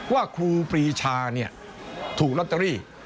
ครูปรีชาถูกลอตเตอรี่